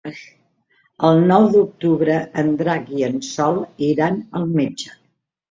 El nou d'octubre en Drac i en Sol iran al metge.